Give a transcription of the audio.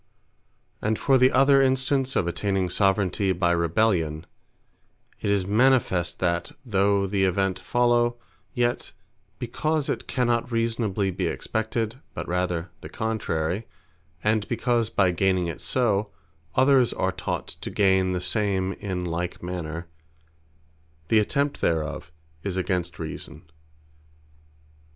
And for the other Instance of attaining Soveraignty by Rebellion; it is manifest, that though the event follow, yet because it cannot reasonably be expected, but rather the contrary; and because by gaining it so, others are taught to gain the same in like manner, the attempt thereof is against reason.